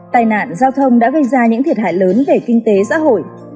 tài nạn giao thông đã gây ra những thiệt hại lớn về kinh tế xã hội